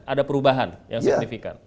ada perubahan yang signifikan